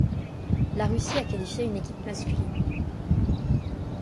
La Russie a qualifié une équipe masculine.